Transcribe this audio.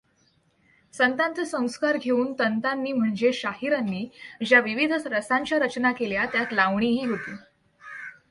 संतांचे संस्कार घेऊन तंतांनी म्हणजे शाहिरांनी ज्या विविध रसांच्या रचना केल्या त्यात लावणीही होती.